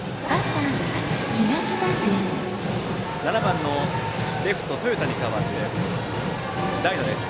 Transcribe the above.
７番のレフト、豊田に代わり代打です